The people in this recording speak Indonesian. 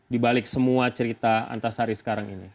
di balik semua cerita antasari sekarang ini